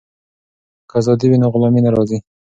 که ازادي وي نو غلامي نه راځي.